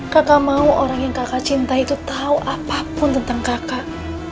kakak mau orang yang kakak cintai itu tahu apapun tentang kakak